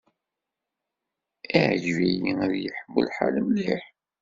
Iɛǧeb-iyi ad yeḥmu lḥal mliḥ.